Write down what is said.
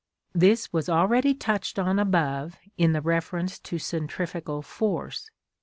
This was already touched on above in the reference to centrifugal force.